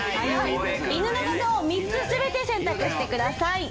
犬の画像を３つ全て選択してください。